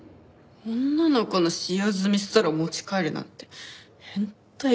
女の子の使用済みストローを持ち帰るなんて変態かよ。